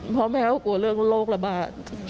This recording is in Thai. เพราะแม่กลัวเรื่องโรคระบาด